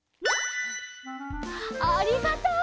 ありがとう！